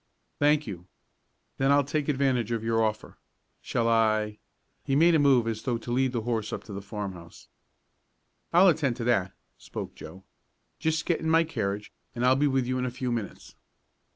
"Thank you. Then I'll take advantage of your offer. Shall I ?" he made a move as though to lead the horse up to the farmhouse. "I'll attend to that," spoke Joe. "Just get in my carriage, and I'll be with you in a few minutes."